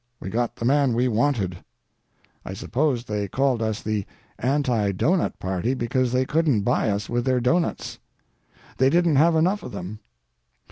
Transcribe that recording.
We got the man we wanted. I suppose they called us the Anti Doughnut party because they couldn't buy us with their doughnuts. They didn't have enough of them.